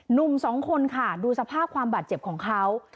หนุ่มสองคนค่ะดูสภาพความบาดเจ็บของเขา